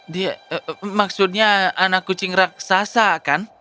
dia maksudnya anak kucing raksasa kan